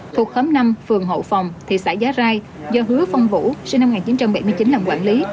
thuộc khóm năm phường hậu phòng thị xã giá rai do hứa phong vũ sinh năm một nghìn chín trăm bảy mươi chín làm quản lý